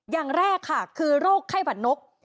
อย่างแรกคือโรคไขพรรดนก